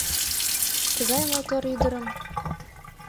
Тыгай мотор ӱдырым